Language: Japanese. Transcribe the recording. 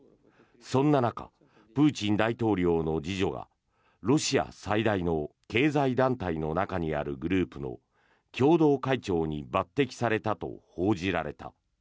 そんな中プーチン大統領の次女がロシア最大の経済団体の中にあるグループの共同会長に抜てきされたと報じられた。